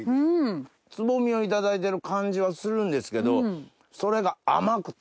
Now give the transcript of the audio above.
蕾をいただいてる感じはするんですけどそれが甘くて。